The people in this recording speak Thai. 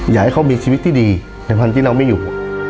อยากให้เขามีชีวิตที่ดีในวันที่เราไม่อยู่